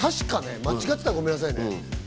間違ってたらごめんなさいね。